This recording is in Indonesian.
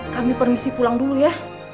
kami permisi pulang dulu ya